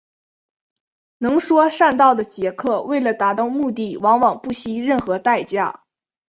能说善道的杰克为了达到目的往往不惜任何代价。